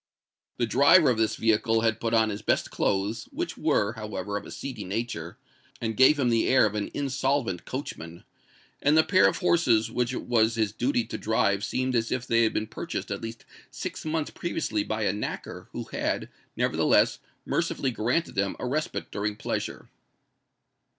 The driver of this vehicle had put on his best clothes, which were, however, of a seedy nature, and gave him the air of an insolvent coachman; and the pair of horses which it was his duty to drive seemed as if they had been purchased at least six months previously by a knacker who had, nevertheless, mercifully granted them a respite during pleasure.